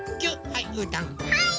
はい！